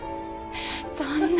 そんな。